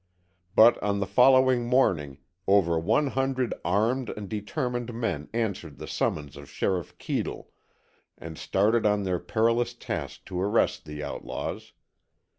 But on the following morning, over one hundred armed and determined men answered the summons of Sheriff Keadle, and started on their perilous task to arrest the outlaws.